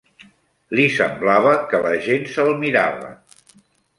Li semblava que la gent se'l mirava